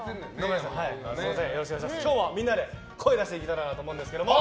今日はみんなで声出していけたらなと思うんですけど。